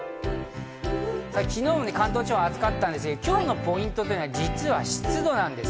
昨日も関東地方は暑かったんですが、今日のポイント、実は湿度なんです。